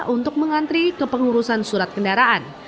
untuk mengantri ke pengurusan surat kendaraan